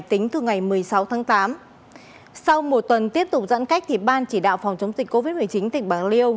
tính từ ngày một mươi sáu tháng tám sau một tuần tiếp tục giãn cách ban chỉ đạo phòng chống dịch covid một mươi chín tỉnh bạc liêu